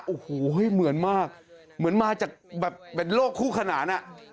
โอ้โหเหมือนมากเหมือนมาจากแบบเป็นโลกคู่ขนานอ่ะ